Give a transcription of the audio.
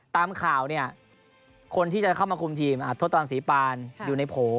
ตามข่าวเนี่ยคนที่จะเข้ามาคุมทีมทศตรังศรีปานอยู่ในโผล่